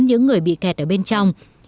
những người bị kẹt ở bên trong